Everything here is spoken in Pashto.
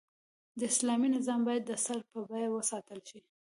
د اسلامي نظام بايد د سر په بيه وساتل شي